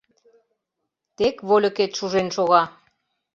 — Тек вольыкет шужен шога!